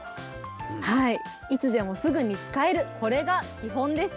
いつでもすぐに使える、これが基本です。